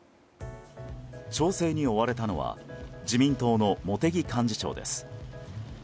調整に追われたのは自民党の茂木幹事長です。